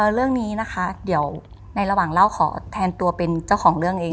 เรื่องนี้นะคะเดี๋ยวในระหว่างเล่าขอแทนตัวเป็นเจ้าของเรื่องเอง